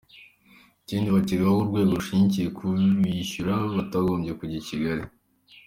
Ikindi bakegerezwa urwego rushinzwe kubishyura batagombye kujya I Kigali.